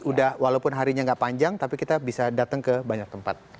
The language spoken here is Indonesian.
udah walaupun harinya nggak panjang tapi kita bisa datang ke banyak tempat